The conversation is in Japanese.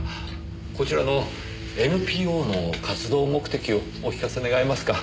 こちらのＮＰＯの活動目的をお聞かせ願えますか？